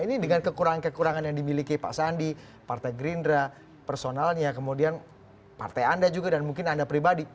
ini dengan kekurangan kekurangan yang dimiliki pak sandi partai gerindra personalnya kemudian partai anda juga dan mungkin anda pribadi